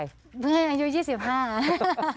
เมื่ออายุ๒๕